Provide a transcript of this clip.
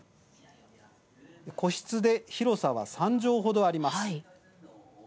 個室で、広さは３畳ほどあります。